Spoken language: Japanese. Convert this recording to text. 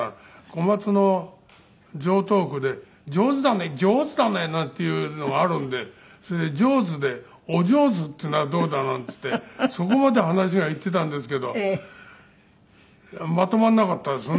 小松の常套句で「上手だね上手だね」なんていうのがあるんでそれで『ジョーズ』で「おジョーズ」っていうのはどうだなんて言ってそこまで話が行っていたんですけどまとまらなかったですね。